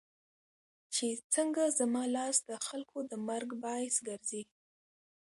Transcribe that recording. چې څنګه زما لاس دخلکو د مرګ باعث ګرځي